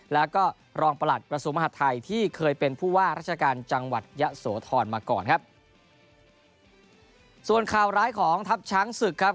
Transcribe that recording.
แล้วก็รองประหลัดกระทรวงมหาดไทยที่เคยเป็นผู้ว่าราชการจังหวัดยะโสธรมาก่อนครับส่วนข่าวร้ายของทัพช้างศึกครับ